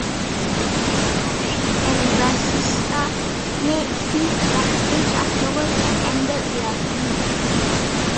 Triple H and Batista made peace backstage afterwards and ended their feud.